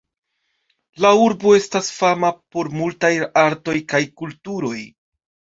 La urbo estas fama por multaj artoj kaj kulturoj.